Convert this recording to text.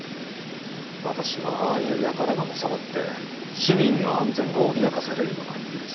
私はああいう輩がのさばって市民の安全が脅かされるのは許せないので。